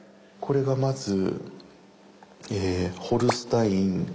コレがまず『ホルスタイン』。